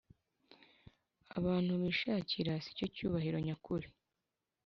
abantu bishakira si cyo cyubahiro nyakuri